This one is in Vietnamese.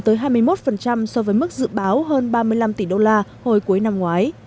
tới hai mươi một so với mức dự báo hơn ba mươi năm tỷ đô la hồi cuối năm ngoái